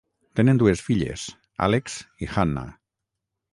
Tenen dues filles, Alex i Hannah.